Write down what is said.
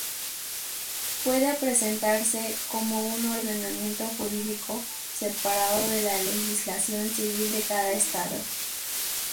Puede presentarse como un ordenamiento jurídico separado de la legislación civil de cada Estado.